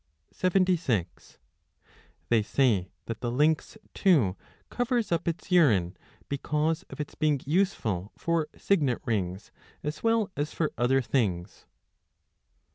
76 They say that the lynx too covers up its urine, because 3 of its being useful for signet rings as well as for other things.